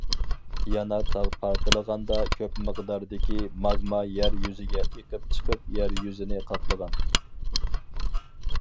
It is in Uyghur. يانار تاغ پارتلىغاندا، كۆپ مىقداردىكى ماگما يەر يۈزىگە ئېقىپ چىقىپ يەر يۈزىنى قاپلىغان.